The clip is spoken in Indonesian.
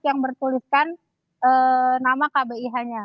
yang bertuliskan nama kbih nya